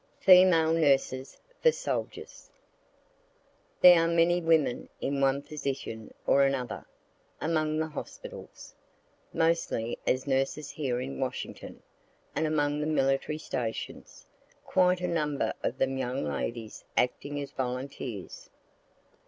FEMALE NURSES FOR SOLDIERS There are many women in one position or another, among the hospitals, mostly as nurses here in Washington, and among the military stations; quite a number of them young ladies acting as volunteers.